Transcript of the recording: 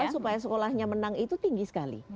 supaya sekolahnya menang itu tinggi sekali